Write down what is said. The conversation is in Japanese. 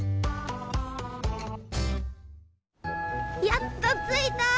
やっとついた。